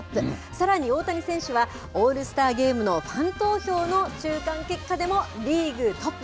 さらに大谷選手は、オールスターゲームのファン投票の中間結果でもリーグトップ。